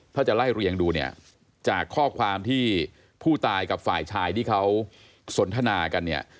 ถ้าจะไล่เรียงดูเนี่ยจากข้อความที่ผู้ตายกับฝ่ายชายที่เขาสนทนากันเนี่ย